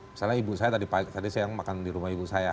misalnya ibu saya tadi saya makan di rumah ibu saya